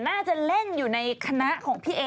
น่าจะเล่นอยู่ในคณะของพี่เอ